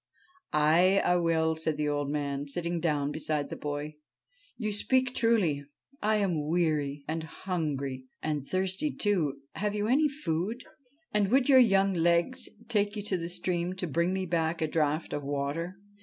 'Ay, I will,' said the old man, sitting down beside the boy. ' You speak truly : I am weary, and hungry, and thirsty too. Have you any food ? And would your young legs take you to the stream to bring me back a draught of water?